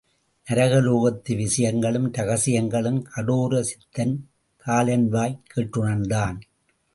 நரகலோகத்து விஷயங்களும் ரகசியங்களும் கடோர சித்தன் காலன்வாய்க் கேட்டுணர்ந்தான்.